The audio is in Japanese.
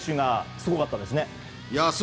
すごかったですね。